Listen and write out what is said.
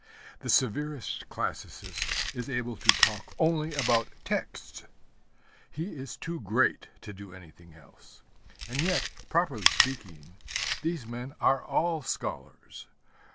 The severest classicist is able to talk only about texts. He is too great to do anything else. And yet, properly speaking, these men are all scholars.